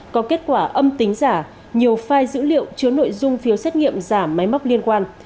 có kết quả âm tính giả nhiều file dữ liệu chứa nội dung phiếu xét nghiệm giả máy móc liên quan